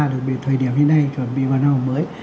được thời điểm như thế này chuẩn bị vào năm mới